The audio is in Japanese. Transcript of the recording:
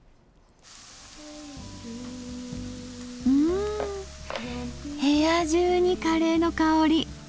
ん部屋中にカレーの香り。